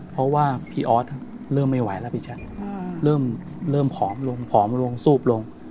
เพราะว่าพี่ออสเริ่มไม่ไหวแล้วพี่แจ๊คเริ่มผอมลงผอมลงซูบลง